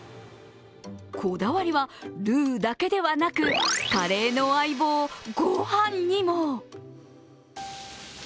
こだわりはルーだけではなく、カレーの相棒、御飯にも。